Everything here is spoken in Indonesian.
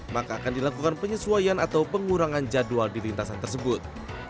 maka akan dilakukan penyesuaian atau pengurangan jadwal di lintasan tersebut